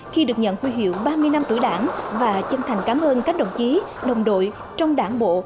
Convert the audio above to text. khi được nhận huy hiệu ba mươi năm tuổi đảng và chân thành cảm ơn các đồng chí đồng đội trong đảng bộ